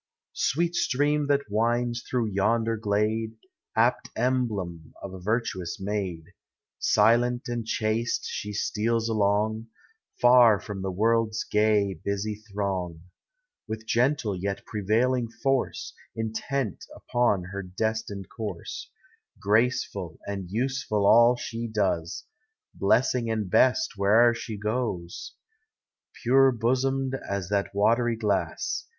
Sweet stream, that winds through yonder glade, Apt emblem of a virtuous maid Silent and chaste she steals along. Far from the world's gay, busy throng; With gentle yet prevailing force. Intent upon her destined course; Graceful and useful all she does, Blessing and blest where'er she goes ; Pure bosomed as that watery glass.